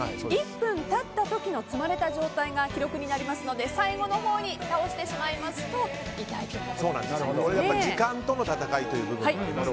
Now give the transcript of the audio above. １分経った時の積まれた状態が記録になりますので最後のほうに倒してしまいますと痛い結果となってしまいます。